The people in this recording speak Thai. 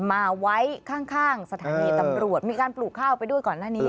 มาไว้ข้างข้างสถานีตำรวจมีการปลูกข้าวไปด้วยก่อนหน้านี้